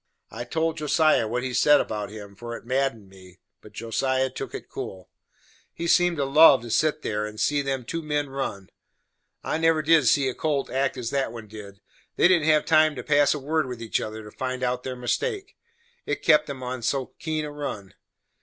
I told Josiah what he said about him, for it madded me, but Josiah took it cool. He seemed to love to set there and see them two men run. I never did see a colt act as that one did; they didn't have time to pass a word with each other, to find out their mistake, it kep' 'em so on a keen run.